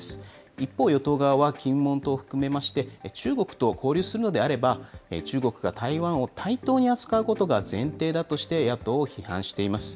一方、与党側は金門島を含めまして、中国と交流するのであれば、中国が台湾を対等に扱うことが前提だとして、野党を批判しています。